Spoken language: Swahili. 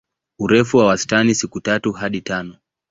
Urefu wa wastani siku tatu hadi tano.